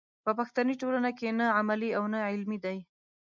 په پښتني ټولنه کې نه عملي او نه علمي دی.